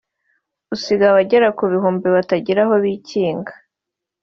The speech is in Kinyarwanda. usiga abagera ku bihumbi batagira aho bikinga